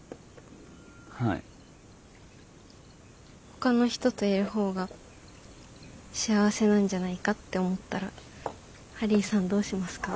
ほかの人といる方が幸せなんじゃないかって思ったらハリーさんどうしますか？